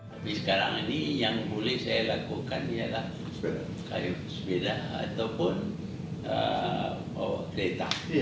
tapi sekarang ini yang boleh saya lakukan ini adalah kayu sepeda ataupun kereta